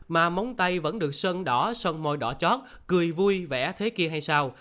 mà móng tay vẫn được sơn đỏ sơn moi đỏ chót cười vui vẻ thế kia hay sao